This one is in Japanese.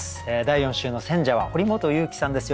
第４週の選者は堀本裕樹さんです。